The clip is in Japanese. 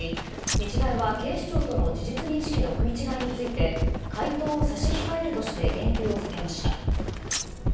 日大は警視庁との事実認識の食い違いについて回答を差し控えるとして言及を避けました。